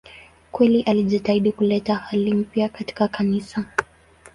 Kweli alijitahidi kuleta hali mpya katika Kanisa.